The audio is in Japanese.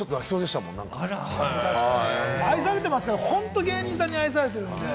愛されてますから、本当芸人さんに愛されてますから。